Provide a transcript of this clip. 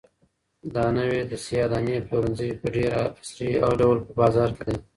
دا نوی د سیاه دانې پلورنځی په ډېر عصري ډول په بازار کې دی.